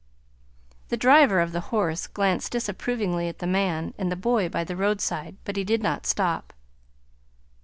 The driver of the horse glanced disapprovingly at the man and the boy by the roadside; but he did not stop.